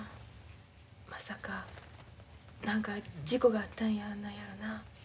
まさか何か事故があったんやないやろな。